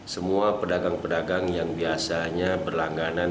semua pedagang pedagang yang biasanya berlangganan